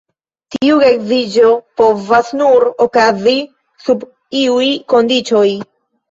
Tiu geedziĝo povas nur okazi sub iuj kondiĉoj.